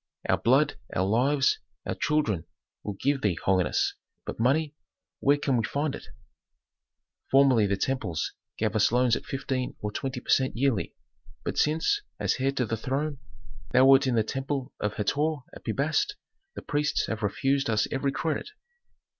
"Our blood, our lives, our children we will give thee, holiness. But money where can we find it? "Formerly the temples gave us loans at fifteen or twenty per cent yearly, but since, as heir to the throne, thou wert in the temple of Hator at Pi Bast the priests have refused us every credit.